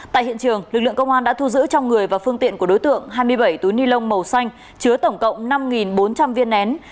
tại hiện trường lực lượng công an đã thu giữ trong người và phương tiện của đối tượng hai mươi bảy túi ni lông màu xanh chứa tổng cộng năm bốn trăm linh viên nén